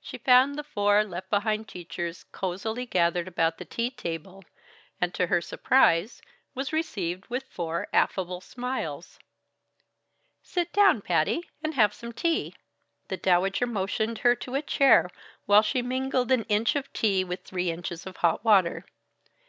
She found the four left behind teachers cosily gathered about the tea table, and to her surprise, was received with four affable smiles. "Sit down, Patty, and have some tea." The Dowager motioned her to a chair, while she mingled an inch of tea with three inches of hot water.